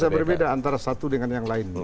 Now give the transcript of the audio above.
bisa berbeda antara satu dengan yang lain